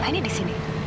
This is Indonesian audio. apa ini di sini